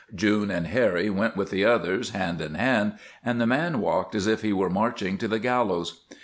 June and Harry went with the others, hand in hand, and the man walked as if he were marching to the gallows.